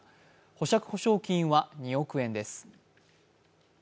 保釈保証金は２億円です。